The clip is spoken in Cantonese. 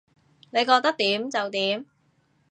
你覺得點就點